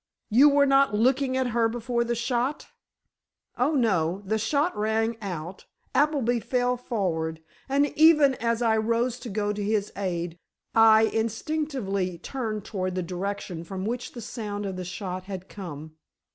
"You were not looking at her before the shot?" "Oh, no; the shot rang out, Appleby fell forward, and even as I rose to go to his aid, I instinctively turned toward the direction from which the sound of the shot had come.